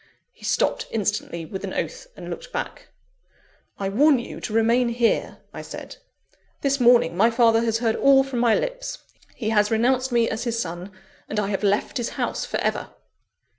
He stopped instantly, with an oath, and looked back. "I warn you to remain here," I said. "This morning, my father has heard all from my lips. He has renounced me as his son, and I have left his house for ever."